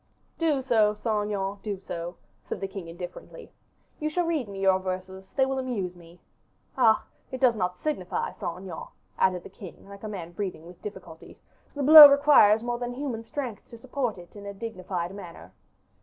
"Do so, Saint Aignan, do so," said the king, indifferently. "You shall read me your verses; they will amuse me. Ah! it does not signify, Saint Aignan," added the king, like a man breathing with difficulty, "the blow requires more than human strength to support in a dignified manner."